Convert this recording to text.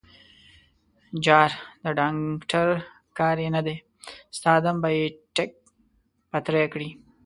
_جار، د ډانګټر کار يې نه دی، ستا دم به يې ټک پتری کړي.